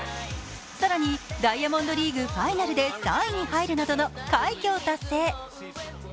更にダイヤモンドリーグ・ファイナルで３位に入るなどの快挙を達成。